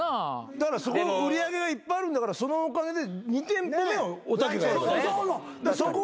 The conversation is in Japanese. だから売り上げがいっぱいあるんだからそのお金で２店舗目をおたけがやればいい。